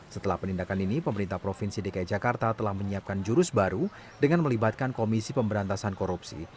setelah penindakan ini pemerintah provinsi dki jakarta telah menyiapkan jurus baru dengan melibatkan komisi pemberantasan korupsi